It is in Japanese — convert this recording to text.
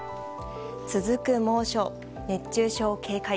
続く猛暑、熱中症警戒。